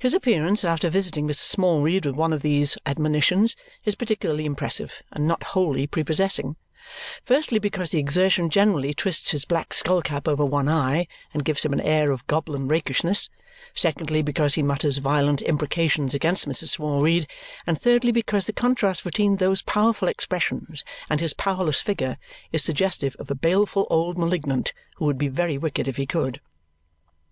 His appearance, after visiting Mrs. Smallweed with one of these admonitions, is particularly impressive and not wholly prepossessing, firstly because the exertion generally twists his black skull cap over one eye and gives him an air of goblin rakishness, secondly because he mutters violent imprecations against Mrs. Smallweed, and thirdly because the contrast between those powerful expressions and his powerless figure is suggestive of a baleful old malignant who would be very wicked if he could.